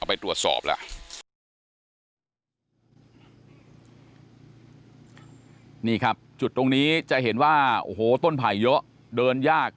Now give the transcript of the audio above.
ไปตรวจสอบแล้วนี่ครับจุดตรงนี้จะเห็นว่าโอ้โหต้นไผ่เยอะเดินยาก